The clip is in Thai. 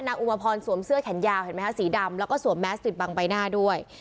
อุปพรสวมเสื้อแขนยาวเห็นไหมฮะสีดำแล้วก็สวมแมสปิดบังใบหน้าด้วย